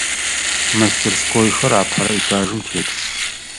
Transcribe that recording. Мастерскойхэр апэрэ этажым тетых.